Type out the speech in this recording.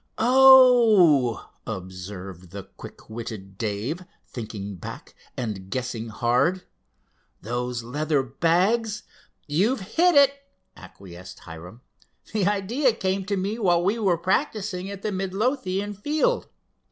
"Oh!" observed quick witted Dave, thinking back, and guessing hard, "those leather bags——" "You've hit it," acquiesced Hiram. "The idea came to me while we were practicing at the Midlothian field.